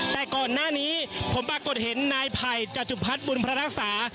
แต่ก่อนหน้านี้ผมปรากฏเห็นนายไผ่จัตุพัฒน์บุญพระรักษา